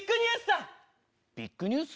ビッグニュース？